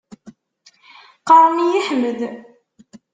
Qqaren-iyi Ḥmed.